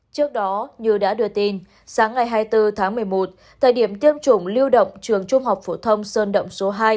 trước đó như đã đưa tin sáng ngày hai mươi bốn tháng một mươi một thời điểm tiêm chủng lưu động trường trung học phổ thông sơn động số hai